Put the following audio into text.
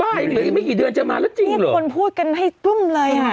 ใช่เหลืออีกไม่กี่เดือนจะมาแล้วจริงเหรอคนพูดกันให้ตุ้มเลยอ่ะ